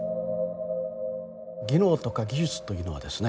技能とか技術というのはですね